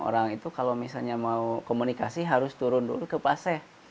orang itu kalau misalnya mau komunikasi harus turun dulu ke paseh